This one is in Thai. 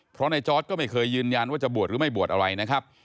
เพราะในจอร์ดก็ไม่เคยยืนยันว่าจะบวชหรือไม่บวชอะไรนะครับ